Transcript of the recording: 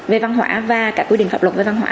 về văn hóa và các quy định pháp luật về văn hóa